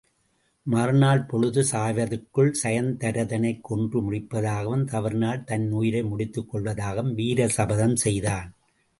மறுநாள் பொழுது சாய்வதற்குள் சயத்திரதனைக் கொன்று முடிப்பதாகவும், தவறினால் தன் உயிரை முடித்துக் கொள்வதாகவும் வீர சபதம் செய்தான்.